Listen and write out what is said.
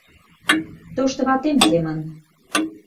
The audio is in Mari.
Тошто ватем семын...